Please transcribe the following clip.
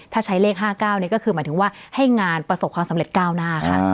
ถ้าใช้เลข๕๙นี่ก็คือหมายถึงว่าให้งานประสบความสำเร็จก้าวหน้าค่ะ